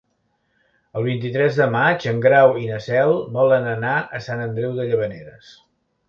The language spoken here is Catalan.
El vint-i-tres de maig en Grau i na Cel volen anar a Sant Andreu de Llavaneres.